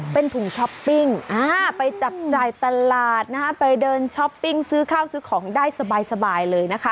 เป็นถุงช้อปปิ้งไปจับจ่ายตลาดนะคะไปเดินช้อปปิ้งซื้อข้าวซื้อของได้สบายเลยนะคะ